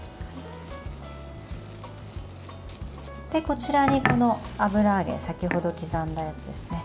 こちらに油揚げ先程刻んだやつですね